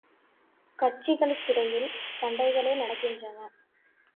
கட்சிகளுக்கிடையில் சண்டைகளே நடக்கின்றன.